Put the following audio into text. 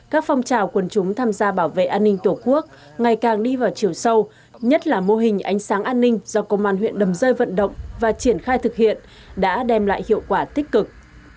các phong trào quần chúng tham gia bảo vệ an ninh tổ quốc ngày càng đi vào chiều sâu nhất là mô hình ánh sáng an ninh do công an huyện đầm rơi vận động và triển khai thực hiện đã đem lại hiệu quả tích cực